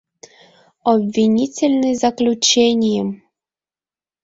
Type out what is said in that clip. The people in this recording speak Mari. Обвинительный заключенийым!